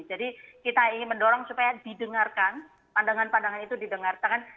jadi kita ingin mendorong supaya didengarkan pandangan pandangan itu didengarkan